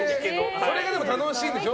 それが楽しいんでしょ。